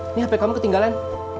ini hp kamu ketinggalan